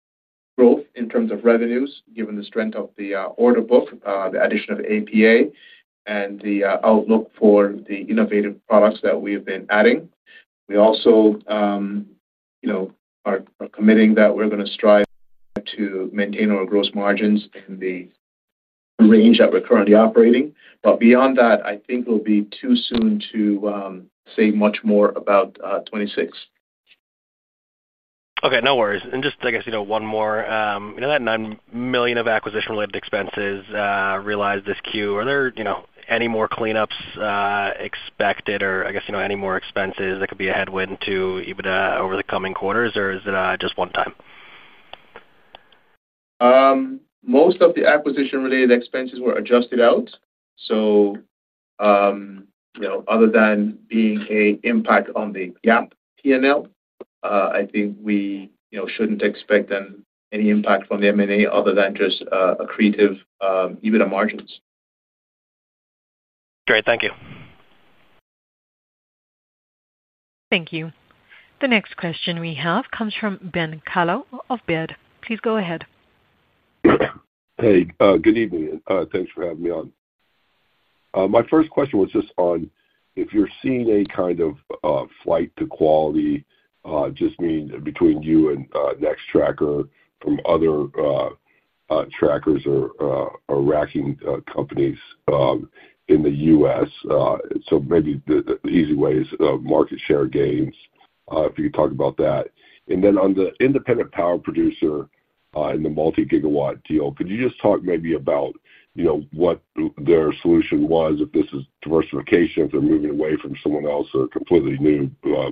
growth in terms of revenues given the strength of the order book, the addition of APA and the outlook for the innovative products that we have been adding. We also, you know, are committing that we're going to strive to maintain our gross margins in the range that we're currently operating. Beyond that I think it'll be too soon to say much more about 2026. Okay, no worries. Just, I guess, you know, one more. That $9 million of acquisition-related expenses realized this Q, are there, you know, any more cleanups expected or, I guess, you know, any more expenses that could be a headwind to EBITDA over the coming quarters, or is it just one time? Most of the acquisition related expenses were adjusted out. Other than being an impact on the GAAP P&L, I think we shouldn't expect any impact from the M&A other than just accretive EBITDA margins. Great, thank you. Thank you. The next question we have comes from Ben Carlo of Baird. Please go ahead. Hey, good evening, thanks for having me on. My first question was just on if. You're seeing any kind of flight to quality just between you and Nextracker from other trackers or racking companies in the U.S., so maybe the easy way is market share gains. If you could talk about that. On the independent power producer. In the multi gigawatt deal could you just talk maybe about you know what their solution was. If this is diversification, if they're moving away from someone else or completely new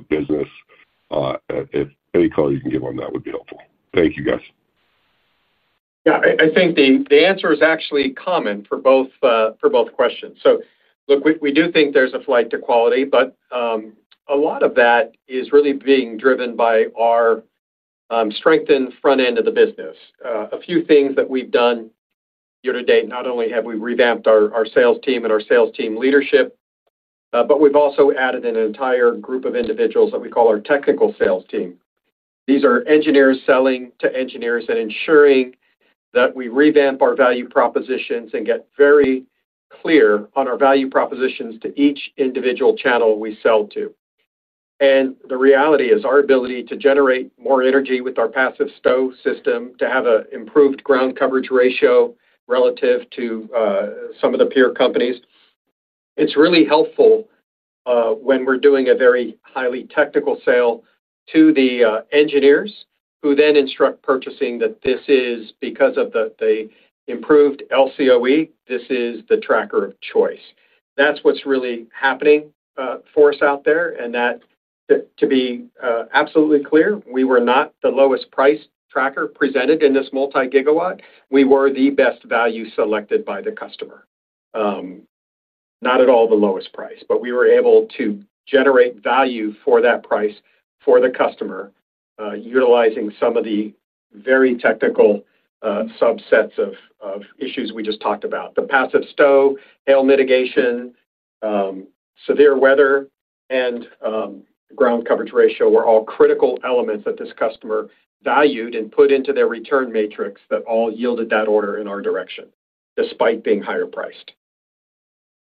business, if any color you can give on that would be helpful. Thank you guys. I think the answer is actually common for both questions. Look, we do think there's a flight to quality but a lot of that is really being driven by our strength in front end of the business. A few things that we've done year to date. Not only have we revamped our sales team and our sales team leadership, but we've also added an entire group of individuals that we call our technical sales team. These are engineers selling to engineers and ensuring that we revamp our value propositions and get very clear on our value propositions to each individual channel we sell to. The reality is our ability to generate more energy with our passive stow system to have an improved ground coverage ratio relative to some of the peer companies. It's really helpful when we're doing a very highly technical sale to the engineers who then instruct purchasing that this is because of the improved LCOE. This is the tracker of choice. That's what's really happening for us out there. To be absolutely clear, we were not the lowest price tracker presented in this multi-gigawatt. We were the best value selected by the customer, not at all the lowest price, but we were able to generate value for that price for the customer utilizing some of the very technical subsets of issues we just talked about. The passive stow, hail mitigation, severe weather, and ground coverage ratio were all critical elements that this customer valued and put into their return matrix that all yielded that order in our direction despite being higher priced.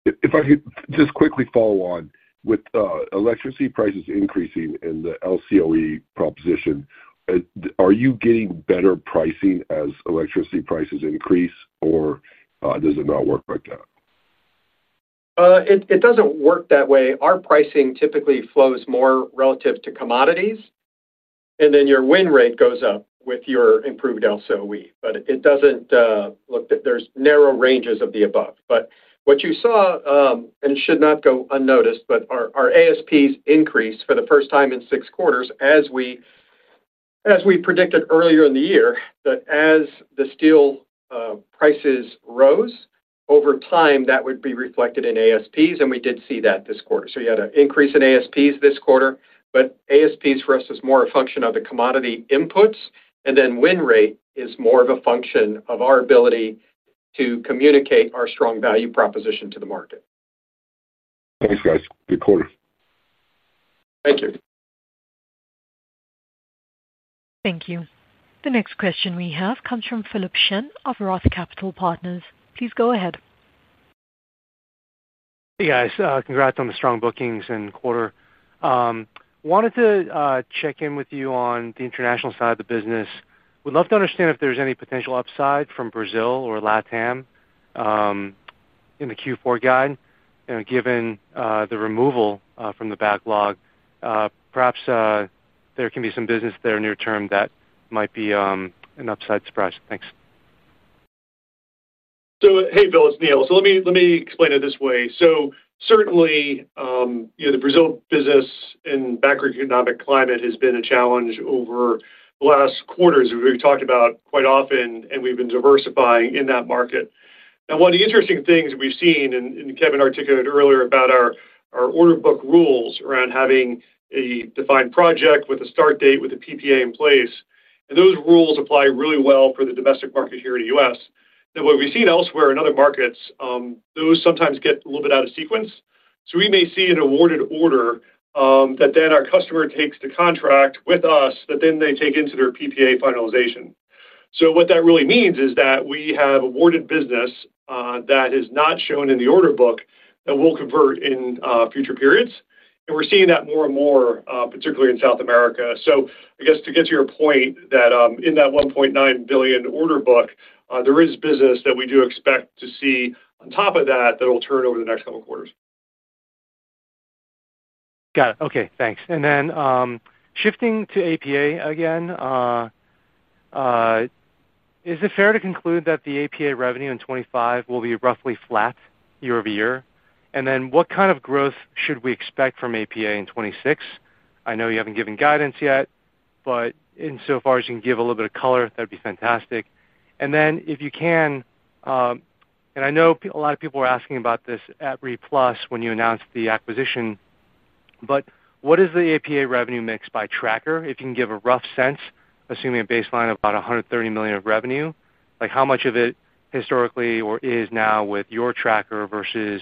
If I could just quickly follow on. With electricity prices increasing in the LCOE proposition, are you getting better pricing as electricity prices increase or does it not work like that? It does not work that way. Our pricing typically flows more relative to commodities and then your win rate goes up with your improved LCOE. There are narrow ranges of the above, but what you saw and should not go unnoticed, our ASPs increased for the first time in six quarters as we predicted earlier in the year that as the steel prices rose over time that would be reflected in ASPs. We did see that this quarter. You had an increase in ASPs this quarter, but ASPs for us is more a function of the commodity inputs and then win rate is more of a function of our ability to communicate our strong value proposition to the market. Thanks guys. Good quarter. Thank you. Thank you. The next question we have comes from Philip Shen of Roth Capital Partners. Please go ahead. Hey guys, congrats on the strong bookings and quarter. Wanted to check in with you on the international side of the business. We'd love to understand if there's any potential upside from Brazil or Latin America in the Q4 guide. Given the removal from the backlog, perhaps there can be some business there near term that might be an upside surprise. Thanks. So. Hey Philip, it's Neil. Let me explain it this way. Certainly the Brazil business and macroeconomic climate has been a challenge over the last quarters. We've talked about it quite often and we've been diversifying in that market. One of the interesting things we've seen, and Kevin articulated earlier, is our order book rules around having a defined project with a start date with a PPA in place. Those rules apply really well for the domestic market here in the U.S. What we've seen elsewhere in other markets is those sometimes get a little bit out of sequence. We may see an awarded order that then our customer takes the contract with us that then they take into their PPA finalization. What that really means is that we have awarded business that is not shown in the order book that will convert in future periods. We are seeing that more and more, particularly in South America. I guess to get to your point, in that $1.9 billion order book there is business that we do expect to see on top of that that will turn over the next couple quarters. Got it. Okay, thanks. And then shifting to APA again. Is. it fair to conclude that the APA revenue in 2025 will be roughly flat year-over-year? What kind of growth should we expect from APA in 2026? I know you have not given guidance yet, but insofar as you can give a little bit of color, that would be fantastic. If you can, and I know a lot of people were asking about this at RE+ when you announced the acquisition, what is the APA revenue mix by tracker? If you can give a rough sense, assuming a baseline of about $130 million of revenue, like how much of it historically or is now with your tracker versus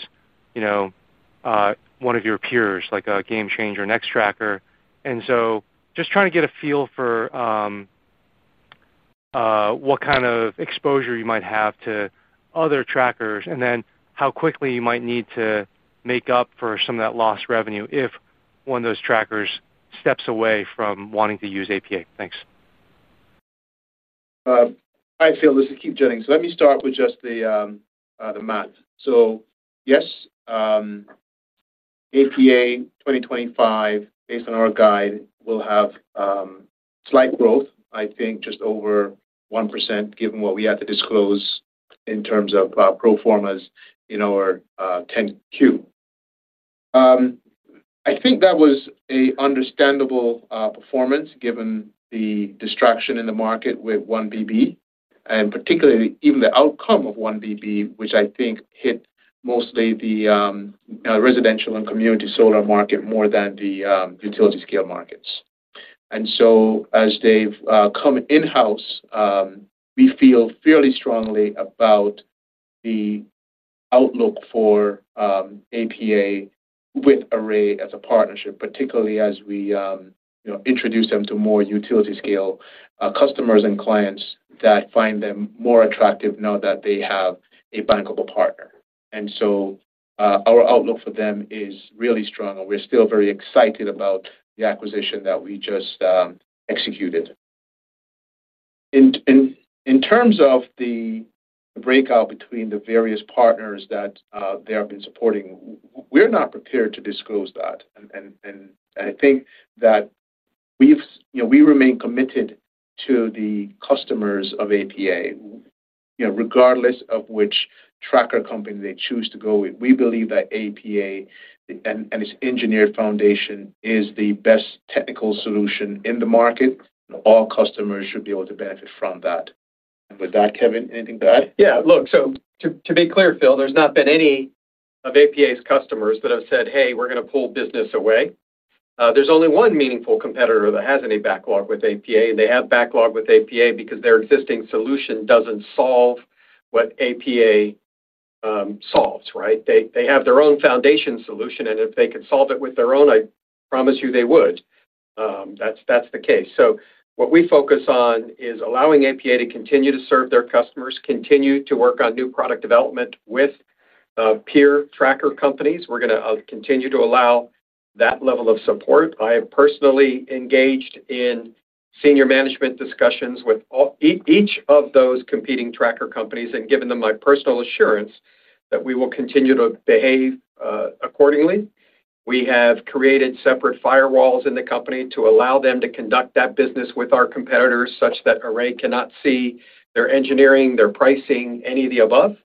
one of your peers, like a game changer, Nextracker. I am just trying to get a. Feel for. What kind of exposure you might have to other trackers and then how quickly you might need to make up for some of that lost revenue if when those trackers step away from wanting to use APA. Thanks. Hi Phil, this is Keith Jennings. Let me start with just the math. So yes. APA 2025 based on our guide, will have slight growth. I think just over 1% given what we have to disclose in terms of pro formas in our 10-Q. I think. That was an understandable performance given the distraction in the market with 1 BB and particularly even the outcome of 1 BB, which I think hit mostly the residential and community solar market more than the utility scale markets. As they've come in house, we feel fairly strongly about the outlook for APA with Array as a partnership, particularly as we introduce them to more utility scale customers and clients that find them more attractive now that they have a bankable partner. Our outlook for them is really strong. We're still very excited about the acquisition that we just executed. In terms of the breakout between the various partners that they have been supporting, we're not prepared to disclose that. I think that we remain committed to the customers of APA regardless of which tracker company they choose to go with. We believe that APA and its engineered foundation is the best technical solution in the market. All customers should be able to benefit from that. With that, Kevin, anything to add? Yeah, look, so to be clear, Phil, there's not been any of APA's customers that have said, hey, we're going to pull business away. There's only one meaningful competitor that has any backlog with APA and they have backlog with APA because their existing solution doesn't solve what APA solves. Right. They have their own foundation solution and if they can solve it with their own, I promise you they would. That's the case. What we focus on is allowing APA to continue to serve their customers, continue to work on new product development with peer tracker companies. We're going to continue to allow that level of support. I have personally engaged in senior management discussions with each of those competing tracker companies and given them my personal assurance that we will continue to behave accordingly. We have created separate firewalls in the company to allow them to conduct that business with our competitors such that Array cannot see their engineering, their pricing, any of the above.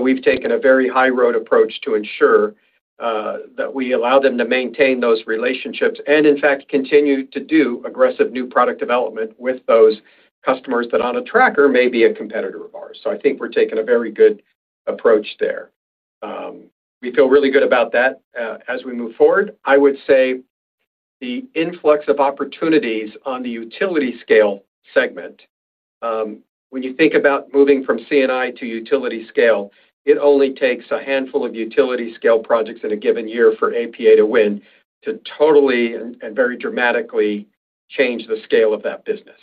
We have taken a very high road approach to ensure that we allow them to maintain those relationships and in fact continue to do aggressive new product development with those customers that on a tracker may be a competitor of ours. I think we are taking a very good approach there. We feel really good about that. As we move forward, I would say the influx of opportunities on the utility scale segment, when you think about moving from CNI to utility scale, it only takes a handful of utility scale projects in a given year for APA to win, to totally and very dramatically change the scale of that business.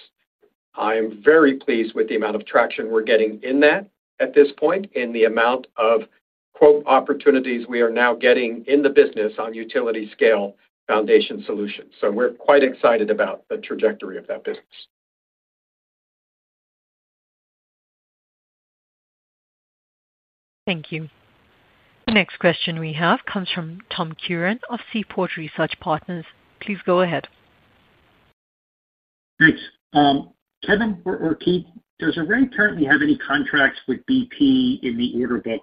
I am very pleased with the amount of traction we're getting in that at this point in the amount of quote opportunities we are now getting in the business on utility scale foundation solutions. We are quite excited about the trajectory of that business. Thank you. The next question we have comes from Tom Curran of Seaport Research Partners. Please go ahead. Thanks, Kevin or Keith. Does Array currently have any contracts with BP in the order book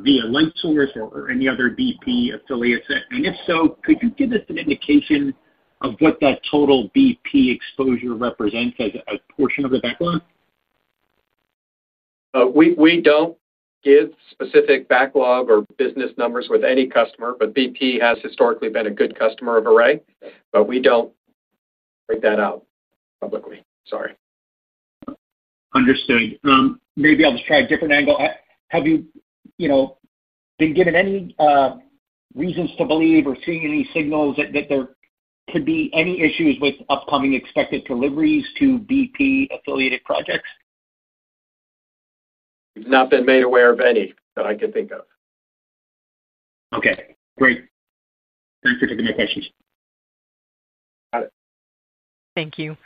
via Light Source or any other BP affiliates? If so, could you give us an indication of what that total BP exposure represents as a portion of the backlog? We do not give specific backlog or business numbers with any customer. BP has historically been a good customer of Array. We do not break that out publicly. Sorry. Understood. Maybe I'll just try a different angle. Have you been given any reasons to believe or see any signals that there could be any issues with upcoming expected deliveries to BP affiliated projects? Not been made aware of any that I could think of. Okay, great. Thanks for taking my questions. Thank you.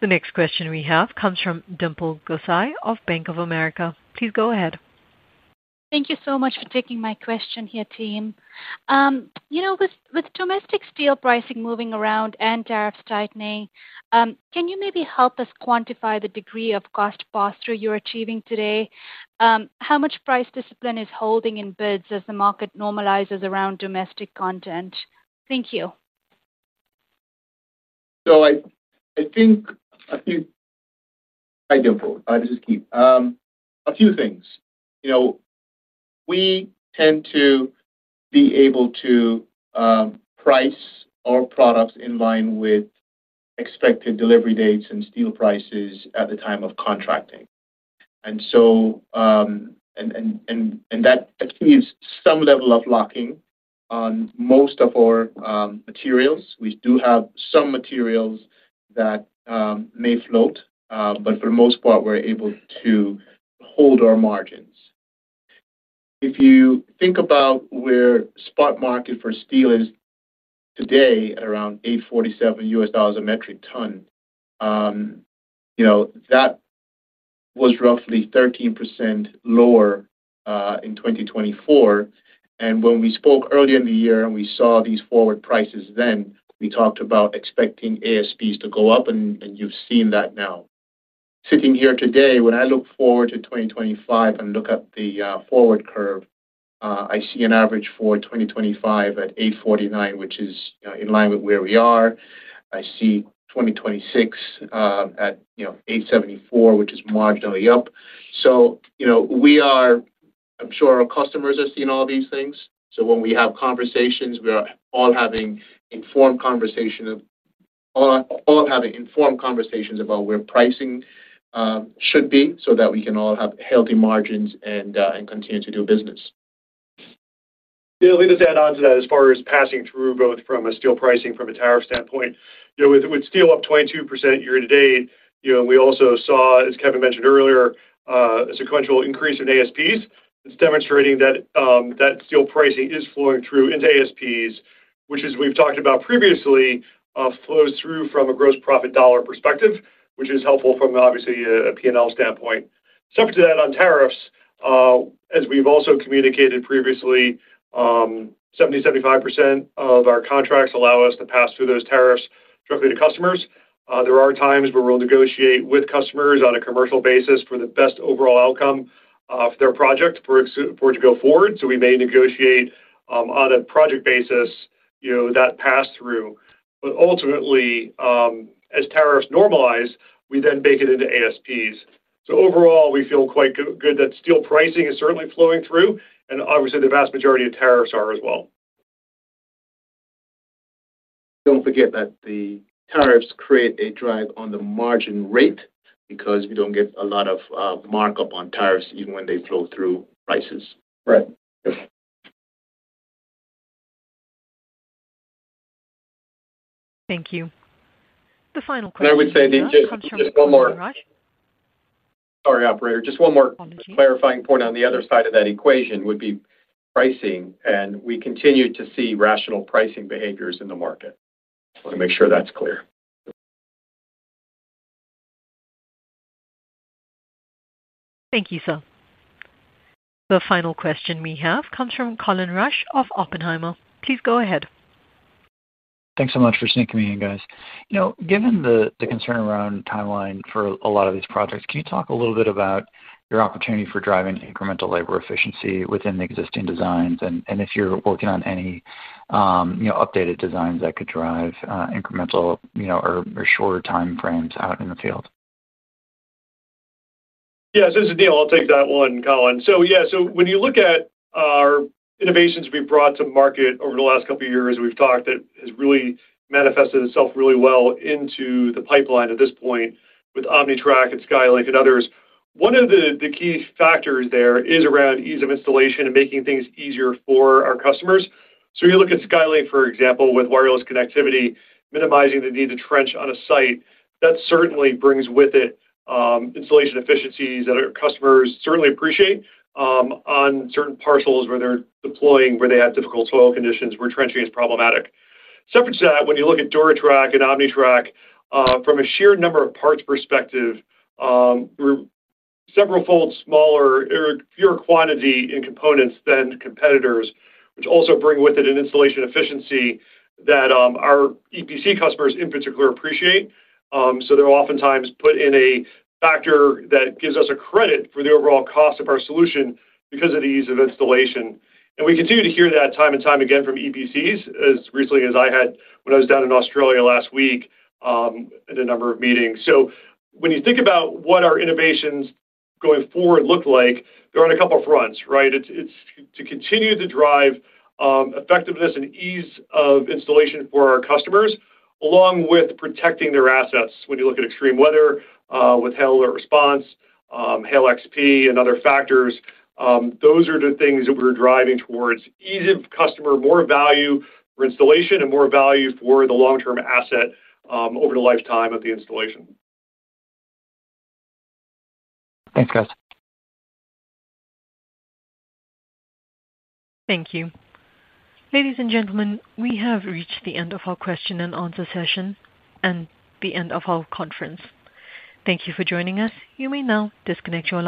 The next question we have comes from Dimple Gosai of Bank of America. Please go ahead. Thank you so much for taking my question here team. You know, with domestic steel pricing moving around and tariffs tightening, can you maybe help us quantify the degree of cost pass through you're achieving today? How much price discipline is holding in bids as the market normalizes around domestic content? Thank you. I think. Hi Dimple, this is Keith. A few things, you know, we tend to be able to price our products in line with expected delivery dates and steel prices at the time of contracting. That achieves some level of locking on most of our materials. We do have some materials that may float, but for the most part we're able to hold our margins. If you think about where spot market for steel is today at around $847 a metric ton, you know, that was roughly 13% lower in 2024. When we spoke earlier in the year and we saw these forward prices then we talked about expecting ASPs to go up. You have seen that now sitting here today when I look forward to 2025 and look at the forward curve, I see an average for 2025 at $849, which is in line with where we are. I see 2026 at $874, which is marginally up. You know, we are, I'm sure our customers have seen all these things. When we have conversations, we are all having informed conversations about where pricing should be so that we can all have healthy margins and continue to do business. Let me just add on to that. As far as passing through both from a steel pricing, from a tariff standpoint, you know, with steel up 22% year to date, you know, we also saw as Kevin mentioned earlier a sequential increase in ASPs. It's demonstrating that that steel pricing is flowing through into ASPs, which as we've talked about previously, flows through from a gross profit dollar perspective, which is helpful from obviously a P&L standpoint. Separate to that on tariffs, as we've also communicated previously, 70%-75% of our contracts allow us to pass through those tariffs and directly to customers. There are times where we'll negotiate with customers on a commercial basis for the best overall outcome for their project. It to go forward. We may negotiate on a project basis, you know, that pass through. Ultimately, as tariffs normalize, we then bake it into ASPs. Overall we feel quite good that steel pricing is certainly flowing through and obviously the vast majority of tariffs are as well. Don't forget that the tariffs create a drag on the margin rate because you don't get a lot of markup on tariffs even when they flow through prices. Right. Thank you. The final question I would say. Sorry, operator, just one more clarifying point on the other side of that equation would be pricing. We continue to see rational pricing behaviors in the market to make sure that's clear. Thank you, sir. The final question we have comes from Colin Rusch of Oppenheimer. Please go ahead. Thanks so much for sneaking me in, guys. Given the concern around timeline for a. Lot of these projects, can you talk a little bit about your opportunity for? Driving incremental labor efficiency within the existing designs and if you're working on any updated designs that could drive incremental or shorter time frames out in the field? Yes, this is Neil. I'll take that one, Colin. Yeah, when you look at our innovations we brought to market over the last couple years we've talked, that has really manifested itself really well into the pipeline at this point with OmniTrack and SkyLink and others, one of the key factors there is around ease of installation and making things easier for our customers. You look at SkyLink, for example, with wireless connectivity minimizing the need to trench on a site, that certainly brings with it installation efficiencies that our customers certainly appreciate on certain parcels where they're deploying, where they have difficult soil conditions, where trenching is problematic. Separate that. When you look at DuraTrack and OmniTrack from a sheer number of parts perspective, several fold smaller or fewer quantity in components than competitors, which also bring with it an installation efficiency that our EPC customers in particular appreciate. They are oftentimes put in a factor that gives us a credit for the overall cost of our solution because of the ease of installation. We continue to hear that time and time again from EPCs, as recently as I had when I was down in Australia last week at a number of meetings. When you think about what our innovations going forward look like, they are on a couple fronts, right? It is to continue to drive effectiveness and ease of installation for our customers, along with protecting their assets. When you look at extreme weather with hail or response hail, XP and other factors, those are the things that we're driving towards ease of customer, more value for installation and more value for the long term asset over the lifetime of the installation. Thanks guys. Thank you. Ladies and gentlemen, we have reached the end of our question-and-answer session and the end of our conference. Thank you for joining us. You may now disconnect your line.